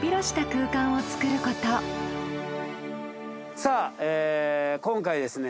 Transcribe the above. さあ今回ですね